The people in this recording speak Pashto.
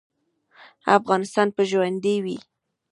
افغانستان به ژوندی وي